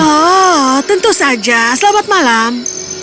oh tentu saja selamat malam